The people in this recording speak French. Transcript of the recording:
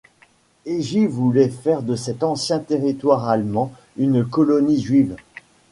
Egit voulait faire de cet ancien territoire allemand une colonie juive.